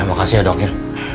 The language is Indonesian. ya makasih ya doknya